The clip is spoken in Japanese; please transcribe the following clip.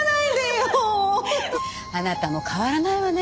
あなたも変わらないわね。